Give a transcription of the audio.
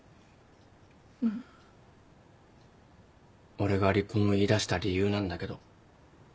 俺が離婚を言い出した理由なんだけど。